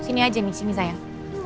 sini aja nih sini sayang